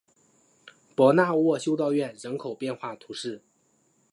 博纳沃修道院人口变化图示